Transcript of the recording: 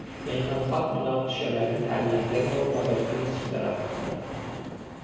Beynəlxalq münaqişələrin həllində norma və prinsiplər haqqında.